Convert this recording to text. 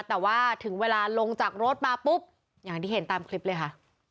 แต่ว่าถึงเวลาลงจากรถมาปุ๊บอย่างที่เห็นตามคลิปเลยค่ะ